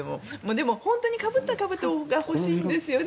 でも本当にかぶったかぶとが欲しいんですよね。